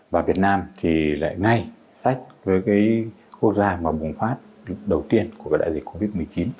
và việt nam thì lại ngay sát với cái quốc gia mà bùng phát đầu tiên của cái đại dịch covid một mươi chín